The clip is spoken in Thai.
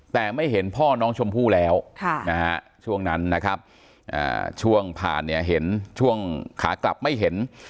แต่ไม่เห็นพ่อน้องชมพู่แล้วช่วงนั้นนะครับช่วงผ่านเนี่ยเห็นช่วงขากลับไม่เห็น